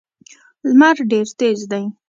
لمر ډېر تېز دی.